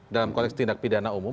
dalam konteks tindak pidana umum